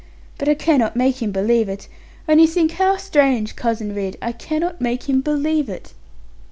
But I cannot make him believe it. Only think how strange, Cousin Ridd, I cannot make him believe it.'